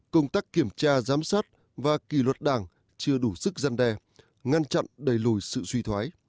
công tác kiểm tra giám sát và kỳ luật đảng chưa đủ sức gian đe ngăn chặn đẩy lùi sự suy thoái